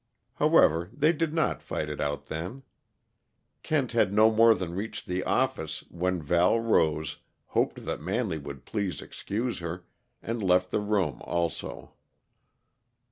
However, they did not fight it out then. Kent had no more than reached the office when Val rose, hoped that Manley would please excuse her, and left the room also.